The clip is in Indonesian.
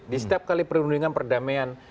di setiap kali perundingan perdamaian